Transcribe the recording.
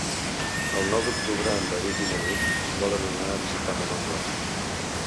El nou d'octubre en David i na Nit volen anar a visitar mon oncle.